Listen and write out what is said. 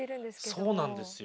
そうなんですよ。